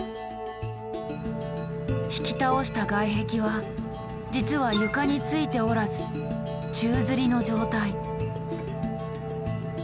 引き倒した外壁は実は床についておらず宙づりの状態。